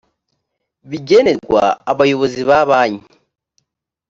bigenerwa abayobozi ba banki